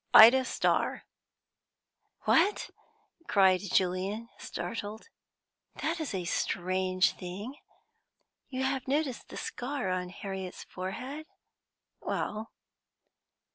"Ida Starr." "What!" cried Julian startled. "That is a strange thing! You have noticed the scar on Harriet's forehead?" "Well?"